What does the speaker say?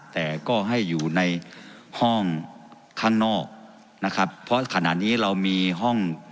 แต่ก็ให้อยู่ในห้องข้างนอกนะครับเพราะขณะนี้เรามีห้อง